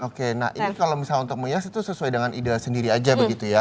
oke nah ini kalau misalnya untuk menghias itu sesuai dengan ide sendiri aja begitu ya